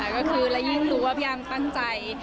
ก็คือแล้วยิ่งรู้ว่าพี่อาร์มตั้งใจ